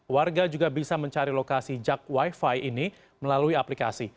warga juga bisa mencari lokasi jak wifi ini melalui aplikasi